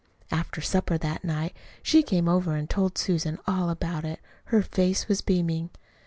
After supper that night she came over and told Susan all about it. Her face was beaming.